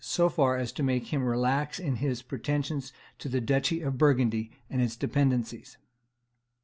so far as to make him relax in his pretensions to the duchy of Burgundy and its dependencies?